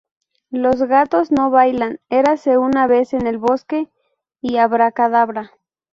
Los Gatos no Bailan, Erase una Vez en el Bosque, y Abracadabra